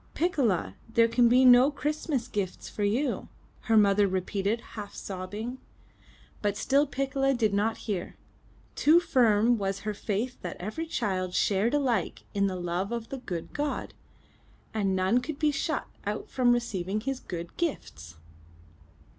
'Ticcola, there can be no Christmas gifts for you!" her mother repeated half sobbing. But still Piccola did not hear. Too firm was her faith that every child shared alike in the love of the good God, and none could be shut out from receiving His good gifts.